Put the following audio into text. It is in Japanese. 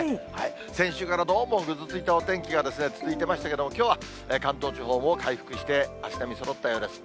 先週からどうもぐずついたお天気が続いてましたけども、きょうは関東地方も回復して、足並みそろったようです。